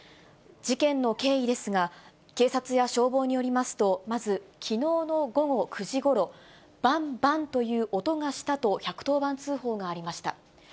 事件の経緯ですが、警察や消防によりますと、まずきのうの午後９時ごろ、ばんばんという音がしたと１１０番通報がありました。